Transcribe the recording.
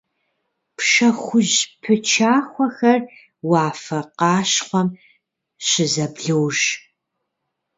Пшэ хужь пычахуэхэр уафэ къащхъуэм щызэблож.